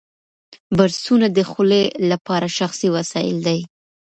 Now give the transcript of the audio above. برسونه د خولې لپاره شخصي وسایل دي.